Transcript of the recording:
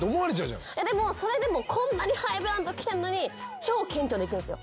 それでもこんなにハイブランド着てんのに超謙虚にいくんすよ。